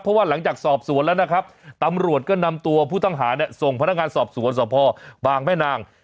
เพราะว่าหลังจากสอบสวนแล้วนะครับตำรวจก็นำตัวผู้ต้องหาเนี่ยส่งพนักงานสอบสวนสภบางแม่นาง